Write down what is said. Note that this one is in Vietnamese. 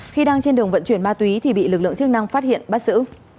khi đang trên đường vận chuyển ma túy thì bị lực lượng chức năng phát hiện bắt giữ